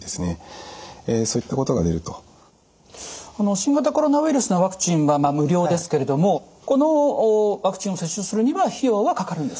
新型コロナウイルスのワクチンは無料ですけれどもこのワクチンを接種するには費用はかかるんですね？